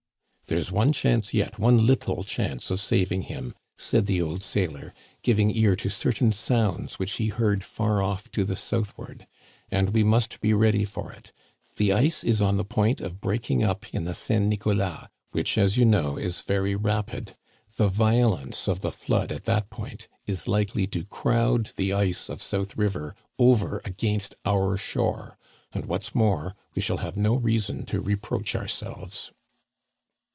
" There's one chance yet, one little chance of saving him," said the old sailor, giving ear to certain sounds which he heard far off to the southward, " and we must be ready for it. The ice is on the point of breaking up Digitized by VjOOQIC THE BREAKING UP OF THE ICE. 63 in the St. Nicholas, which, as you know, is very rapid. The violence of the flood at that point is likely to crowd the ice of South River over against our shore ; and what's more, we shall have no reason to reproach ourselves."